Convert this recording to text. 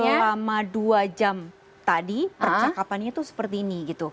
nah ini adalah selama dua jam tadi percakapannya itu seperti ini gitu